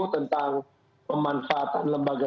tentang pemanfaatan lembaga